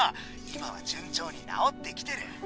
今は順調に治ってきてる。